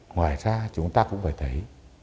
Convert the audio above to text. ngoài ra chúng ta cũng phải thấy